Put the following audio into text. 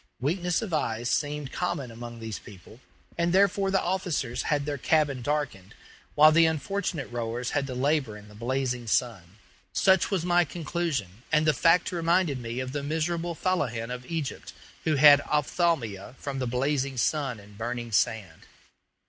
Weakness of eyes seemed common among these people, and therefore the officers had their cabin darkened, while the unfortunate rowers had to labor in the blazing sun. Such was my conclusion, and the fact reminded me of the miserable fellahin of Egypt, who have ophthalmia from the blazing sun and burning sand.